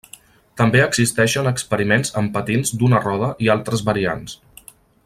També existeixen experiments amb patins d'una roda i altres variants.